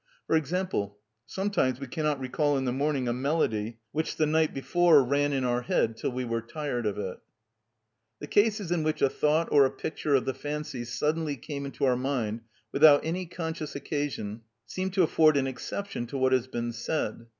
For example, sometimes we cannot recall in the morning a melody which the night before ran in our head till we were tired of it. The cases in which a thought or a picture of the fancy suddenly came into our mind without any conscious occasion seem to afford an exception to what has been said.